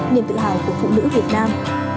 niềm tự hào của phụ nữ việt nam